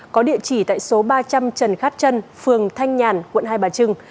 có địa chỉ tại số ba trăm linh trần khát trân phường thanh nhàn quận hai bà trưng